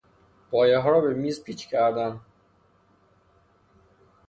پایهها را به میز پیچ کردن